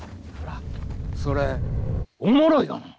それおもろいがな。